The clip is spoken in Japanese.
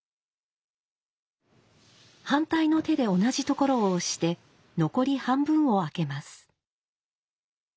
反対の手で同じ所を押して残り半分を開けます。